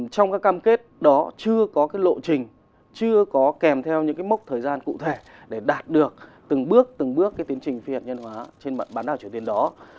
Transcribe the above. trong các cam kết đó chưa có cái lộ trình chưa có kèm theo những cái mốc thời gian cụ thể để đạt được từng bước từng bước cái tiến trình phiền nhân hóa trên bản đảo triều tiên đó